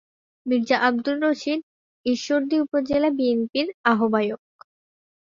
মীর্জা আব্দুর রশিদ ঈশ্বরদী উপজেলা বিএনপির আহ্বায়ক।